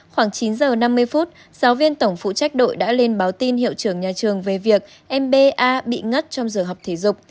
khoảng chín giờ năm mươi phút giáo viên tổng phụ trách đội đã lên báo tin hiệu trưởng nhà trường về việc m ba bị ngất trong giờ học thể dục